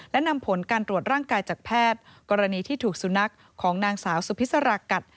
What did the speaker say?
และนำผลการตรวจร่างกายจากแพทย์กรณีที่ถูกสุนัขของนางสาวสุพิษรากัด